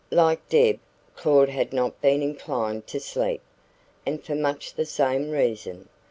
Like Deb, Claud had not been inclined to sleep, and for much the same reason.